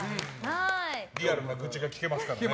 リアルな愚痴が聞けますね。